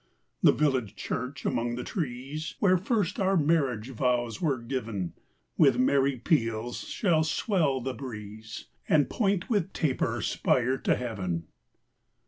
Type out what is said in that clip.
The village church, among the trees, Where first our marriage vows were giv'n, With merry peals shall swell the breeze, And point with taper spire to heav'n.